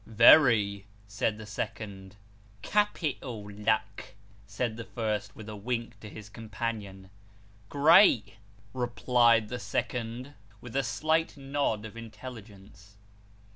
" Very," said the second. " Capital luck," said the first, with a wink to his companion. " Great," replied the second, with a slight nod of intelligence.